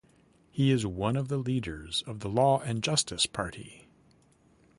He is one of the leaders of the Law and Justice party.